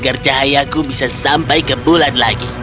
aku berharap ada cara agar cahayaku bisa sampai ke bulan lagi